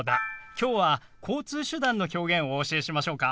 きょうは交通手段の表現をお教えしましょうか？